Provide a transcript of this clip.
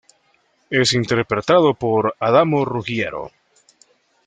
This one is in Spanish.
Es interpretado por Adamo Ruggiero.